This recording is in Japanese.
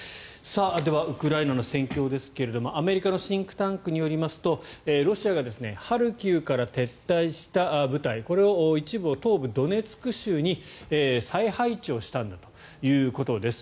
では、ウクライナの戦況ですがアメリカのシンクタンクによりますとロシアがハルキウから撤退した部隊これを一部を東部ドネツク州に再配置をしたんだということです。